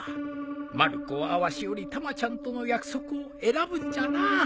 まる子はわしよりたまちゃんとの約束を選ぶんじゃな